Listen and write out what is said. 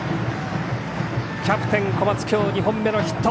キャプテン、小松今日２本目のヒット。